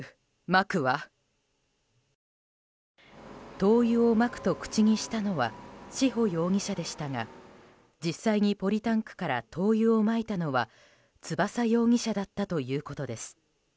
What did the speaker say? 灯油をまくと口にしたのは志保容疑者でしたが実際にポリタンクから灯油をまいたのは翼容疑者だったということです。